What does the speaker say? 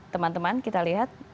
teman teman kita lihat